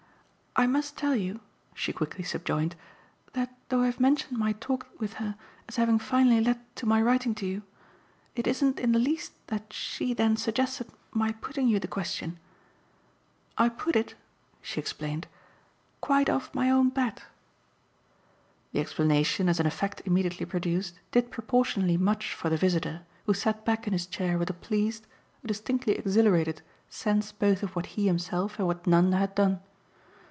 "I must tell you," she quickly subjoined, "that though I've mentioned my talk with her as having finally led to my writing to you, it isn't in the least that she then suggested my putting you the question. I put it," she explained, "quite off my own bat." The explanation, as an effect immediately produced, did proportionately much for the visitor, who sat back in his chair with a pleased a distinctly exhilarated sense both of what he himself and what Nanda had done.